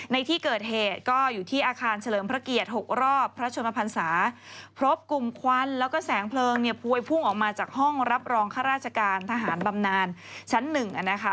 ในที่เกิดเหตุก็อยู่ที่อาคารเฉลิมพระเกียรติ๖รอบพระชนมพันศาพบกลุ่มควันแล้วก็แสงเพลิงเนี่ยพวยพุ่งออกมาจากห้องรับรองข้าราชการทหารบำนานชั้นหนึ่งนะคะ